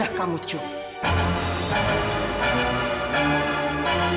beritahu k puaa